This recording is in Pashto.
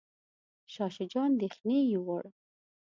شاه شجاع اندیښنې یووړ.